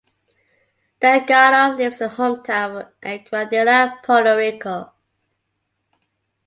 Delgado lives in his hometown of Aguadilla, Puerto Rico.